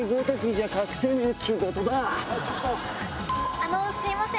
あのすいません。